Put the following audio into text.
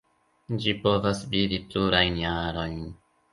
Ĝi povas vivi plurajn jarojn.